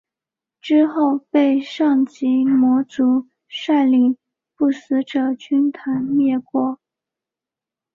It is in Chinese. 之后被上级魔族率领不死者军团灭国。